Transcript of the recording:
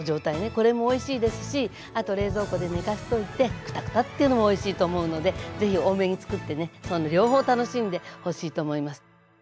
これもおいしいですしあと冷蔵庫で寝かせといてクタクタっていうのもおいしいと思うのでぜひ多めにつくってねその両方を楽しんでほしいと思います。